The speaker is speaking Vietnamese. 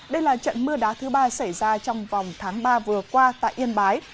đây là trận mưa đá thứ ba xảy ra trong vòng tháng ba vừa qua tại yên bái